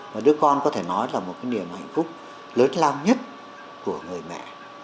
và đứa con có thể nói là một cái niềm hạnh phúc lớn lao nhất của người mẹ